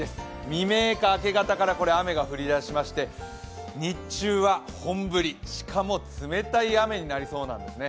未明か明け方から雨が降りだしまして日中は本降り、しかも冷たい雨になりそうなんですね。